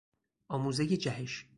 آموزهی جهش